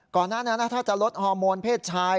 ก่อนหน้านั้นถ้าจะลดฮอร์โมนเพศชาย